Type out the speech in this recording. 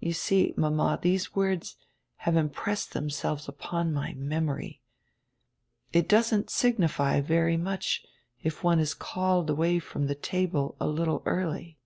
You see, mama, these words have impressed themselves upon my memory — It doesn't signify very much if one is called away from the table a little early."